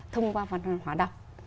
thông qua văn hóa đọc